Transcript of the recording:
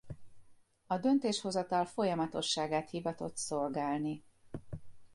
A döntéshozatal folyamatosságát hivatott szolgálni.